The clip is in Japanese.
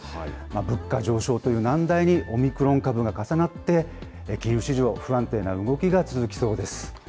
物価上昇という難題にオミクロン株が重なって、原油市場、不安定な動きが続きそうです。